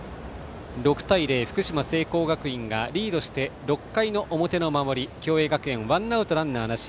６対０、福島・聖光学院がリードして６回の表の守り共栄学園はワンアウトランナーなし。